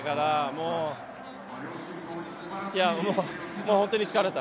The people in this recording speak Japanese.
もう本当に疲れた。